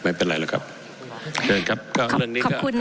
ไม่เป็นไรแล้วครับเชิญครับก็เรื่องนี้ค่ะขอบคุณ